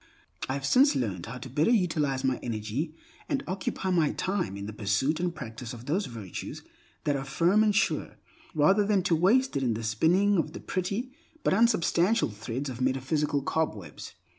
I have since learned how better to utilize my energy and occupy my time in the pursuit and practice of those virtues that are firm and sure, rather than to waste it in the spinning of the pretty but unsubstantial threads of metaphysical cobwebs.